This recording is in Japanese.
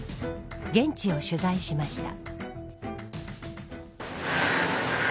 現地を取材しました。